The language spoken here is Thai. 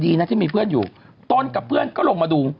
ดีนะที่มีเพื่อนอยู่ตนกับเพื่อนก็ลงมาดู